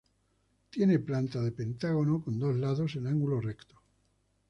Tiene planta de pentágono con dos lados en ángulo recto.